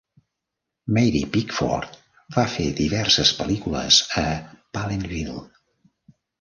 Mary Pickford va fer diverses pel·lícules a Palenville.